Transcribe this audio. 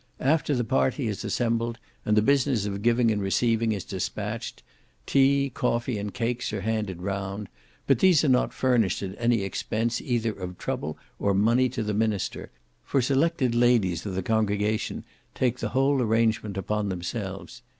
After the party is assembled, and the business of giving and receiving is dispatched, tea, coffee, and cakes are handed round; but these are not furnished at any expense either of trouble or money to the minster, for selected ladies of the congregation take the whole arrangement upon themselves.